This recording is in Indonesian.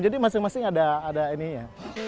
jadi masing masing ada ini ya